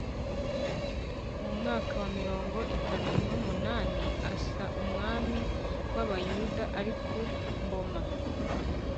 Mu mwaka wa mirongo itatu n’umunani Asa umwami w’Abayuda ari ku ngoma